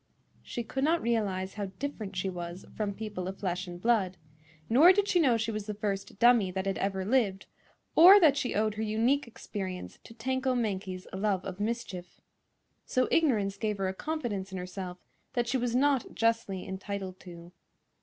She could not realize how different she was from people of flesh and blood; nor did she know she was the first dummy that had ever lived, or that she owed her unique experience to Tanko Mankie's love of mischief. So ignorance gave her a confidence in herself that she was not justly entitled to.